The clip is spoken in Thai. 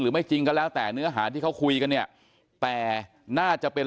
ไม่จริงก็แล้วแต่เนื้อหาที่เขาคุยกันเนี่ยแต่น่าจะเป็น